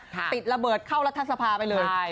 ติดระเบิดเข้ารัทธาตุสภาไปเลย